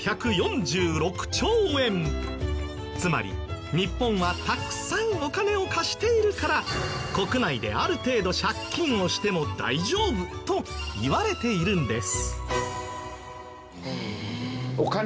つまり日本はたくさんお金を貸しているから国内である程度借金をしても大丈夫といわれているんです。